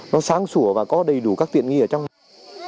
nó sáng sủa và có đầy đủ các tiện nghi ở trong